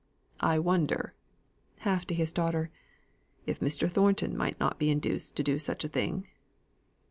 I wonder" (half to his daughter), "if Mr. Thornton might not be induced to do such thing?"